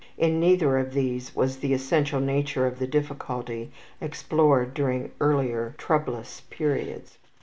In neither of these was the essential nature of the difficulty explored during earlier troublous periods.